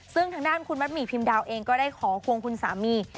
ซึ่งทางด้านคุณมัดหมี่พิมดาวเองก็ได้ขอควงคุณสามี